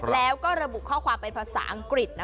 แล้วก็ระบุข้อความเป็นภาษาอังกฤษนะ